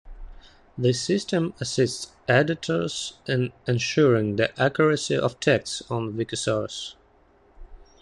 This system assists editors in ensuring the accuracy of texts on Wikisource.